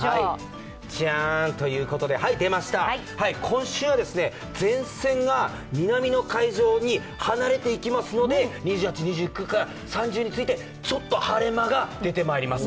今週、前線は南の海上に離れていきますので、２８、２９から３０にちょっと晴れ間が出てまいります。